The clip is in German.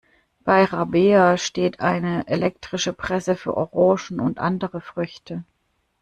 Bei Rabea steht eine elektrische Presse für Orangen und andere Früchte.